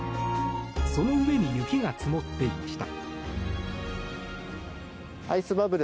その上に雪が積もっていました。